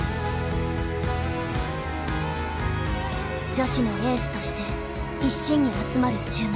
女子のエースとして一身に集まる注目。